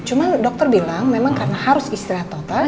cuma dokter bilang memang karena harus istirahat total